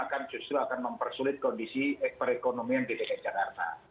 akan justru akan mempersulit kondisi perekonomian dki jakarta